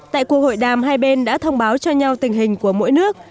tại cuộc hội đàm hai bên đã thông báo cho nhau tình hình của mỗi nước